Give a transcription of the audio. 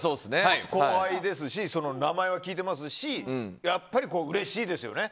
後輩ですし名前は聞いていますしやっぱり、うれしいですよね。